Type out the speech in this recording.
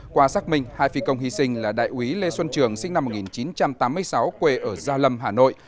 qua xác minh hai phi công hy sinh là đại úy lê xuân trường sinh năm một nghìn chín trăm tám mươi sáu quê ở gia lâm hà nội